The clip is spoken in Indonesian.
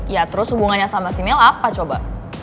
ya terus hubungannya sama si mill apa coba